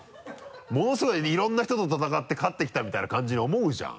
ものすごいいろんな人と戦って勝ってきたみたいな感じに思うじゃん。